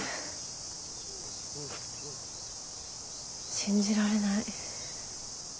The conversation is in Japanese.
信じられない。